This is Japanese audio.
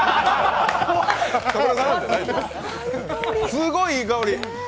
すごい、いい香り！